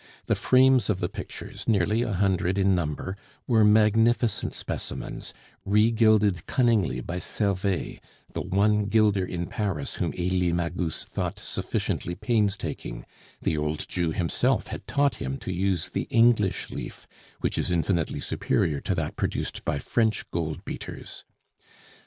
The frames of the pictures, nearly a hundred in number, were magnificent specimens, regilded cunningly by Servais, the one gilder in Paris whom Elie Magus thought sufficiently painstaking; the old Jew himself had taught him to use the English leaf, which is infinitely superior to that produced by French gold beaters.